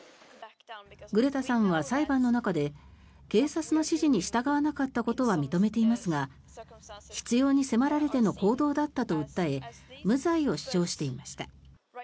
グレタさんは裁判の中で警察の指示に従わなかったことは認めていますが必要に迫られての行動だったと訴え無罪を主張していました。